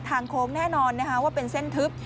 ทางโค้งแน่นอนว่าเป็นเส้นทึบ